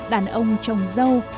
đàn ông chồng dâu